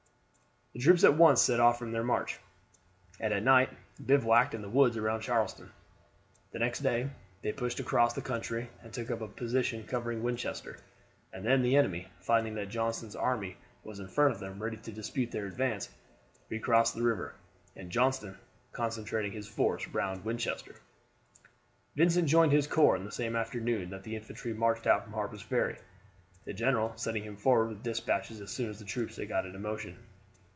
The troops at once set off on their march, and at night bivouacked in the woods around Charlestown. The next day they pushed across the country and took up a position covering Winchester; and then the enemy, finding that Johnston's army was in front of them ready to dispute their advance, recrossed the river, and Johnston concentrated his force round Winchester. Vincent joined his corps on the same afternoon that the infantry marched out from Harper's Ferry, the general sending him forward with despatches as soon as the troops had got into motion.